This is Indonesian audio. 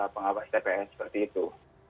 pengawas tps seperti itu